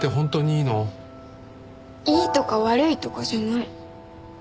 いいとか悪いとかじゃない。